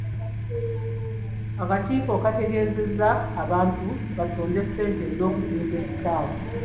Akakiiko kategeezezza abantu basonde ssente z'okuzimba ekisaawe.